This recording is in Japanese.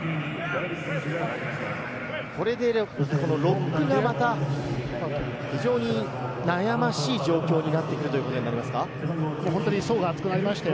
これでロックがまた非常に悩ましい状況になってくるということになりますか？